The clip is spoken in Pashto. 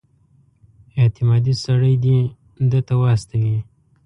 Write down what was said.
اعتمادي سړی دې ده ته واستوي.